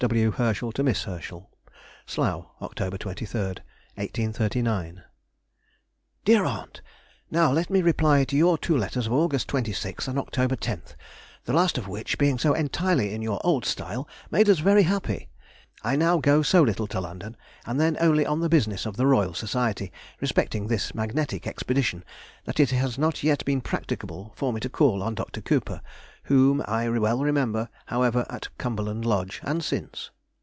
F. W. HERSCHEL TO MISS HERSCHEL. SLOUGH, Oct. 23, 1839. DEAR AUNT,— ... Now let me reply to your two letters of August 26 and October 10, the last of which, being so entirety in your old style, made us very happy. I now go so little to London, and then only on the business of the Royal Society respecting this magnetic expedition, that it has not yet been practicable for me to call on Dr. Küper, whom I well remember, however, at Cumberland Lodge, and since.